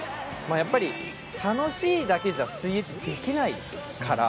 やっぱり楽しいだけじゃ水泳ってできないから。